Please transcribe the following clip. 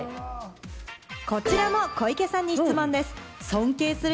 こちらも小池さんに質問です。